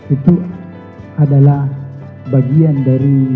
itu adalah bagian dari